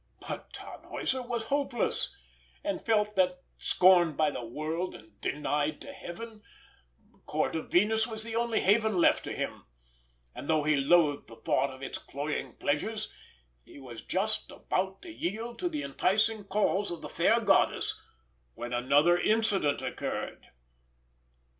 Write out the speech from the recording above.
But Tannhäuser was hopeless, and felt that, scorned by the world, and denied to Heaven, the Court of Venus was the only haven left to him; and though he loathed the thought of its cloying pleasures, he was just about to yield to the enticing calls of the fair goddess, when another incident occurred.